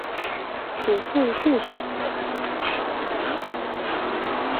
祖父顾显。